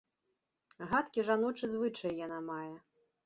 Гадкі жаночы звычай яна мае.